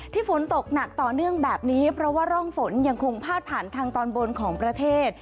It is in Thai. ฝนตกหนักต่อเนื่องแบบนี้เพราะว่าร่องฝนยังคงพาดผ่านทางตอนบนของประเทศ